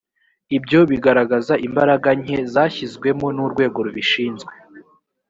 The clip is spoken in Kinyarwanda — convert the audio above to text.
ibyo bigaragaza imbaraga nke zashyizwemo n urwego rubishinzwe